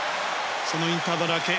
そのインターバル明け。